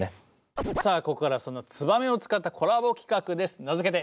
さあここからはその「ツバメ」を使ったコラボ企画です！